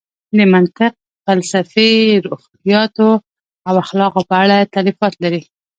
د منطق، فلسفې، روحیاتو او اخلاقو په اړه یې تالیفات لري.